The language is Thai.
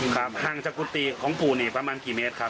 ห่างจากกุฏิของปู่นี่ประมาณกี่เมตรครับ